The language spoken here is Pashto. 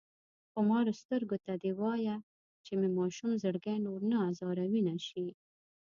خمارو سترګو ته دې وايه چې مې ماشوم زړګی نور نه ازاروينه شي